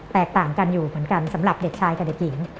แตกต่างกันอยู่เหมือนกันสำหรับเด็กชายกับเด็กหญิง